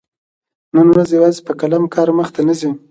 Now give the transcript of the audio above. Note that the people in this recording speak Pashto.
نن ورځ يوازي په قلم کار مخته نه ځي.